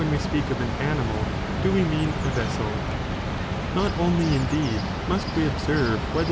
(we speak of) an animal, (do we mean) a vessel. Not only indeed must we observe whether the 11.